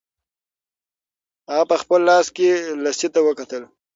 هغه په خپل لاس کې لسی ته وکتل.